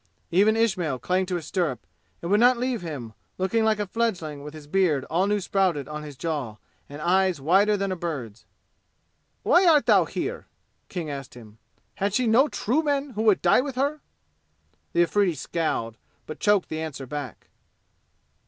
Even Ismail clang to his stirrup and would not leave him, looking like a fledgling with his beard all new sprouted on his jaw, and eyes wider than any bird's. "Why art thou here?" King asked him. "Had she no true men who would die with her?" The Afridi scowled, but choked the answer back.